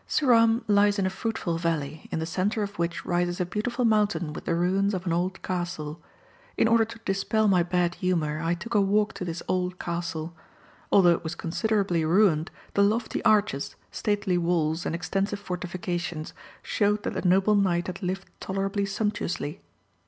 Suram lies in a fruitful valley, in the centre of which rises a beautiful mountain with the ruins of an old castle. In order to dispel my bad humour I took a walk to this old castle. Although it was considerably ruined, the lofty arches, stately walls, and extensive fortifications showed that the noble knight had lived tolerably sumptuously.